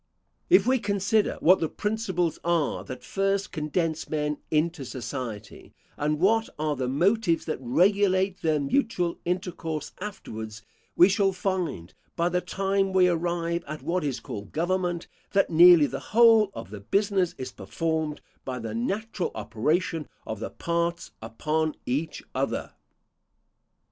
If we consider what the principles are that first condense men into society, and what are the motives that regulate their mutual intercourse afterwards, we shall find, by the time we arrive at what is called government, that nearly the whole of the business is performed by the natural operation of the parts upon each other.